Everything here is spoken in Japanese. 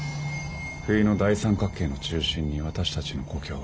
冬の大三角形の中心に私たちの故郷はありました。